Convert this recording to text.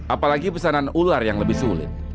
apalagi pesanan ular yang lebih sulit